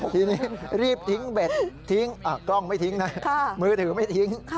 ทีนี้รีบทิ้งเบ็ดทิ้งกล้องไม่ทิ้งนะมือถือไม่ทิ้ง